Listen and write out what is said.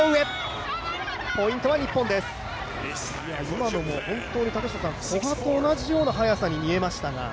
今のも本当に古賀と同じような速さに見えましたが。